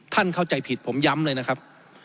เข้าใจผิดผมย้ำเลยนะครับ